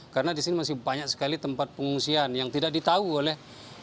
karena disini masih banyak sekali tempat pengungsian yang tidak ditahu oleh